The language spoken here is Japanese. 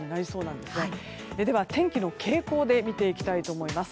では天気の傾向で見ていきたいと思います。